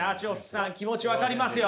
さん気持ち分かりますよ。